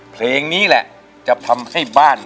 เพลงนี้แหละจะทำให้บ้าน